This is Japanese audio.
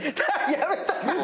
やめた。